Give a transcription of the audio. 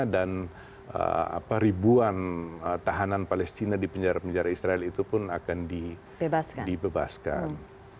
dan ribuan tahanan palestina di penjara penjara israel itu pun akan dibebaskan